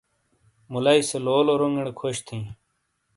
ملائیی سے لولو رونگیڑے کھش تھینئ۔